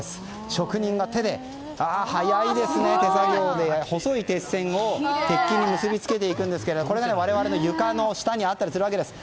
職人が手作業で細い鉄線を鉄筋に結び付けていくんですがこれ、我々の床の下にあったりするわけです。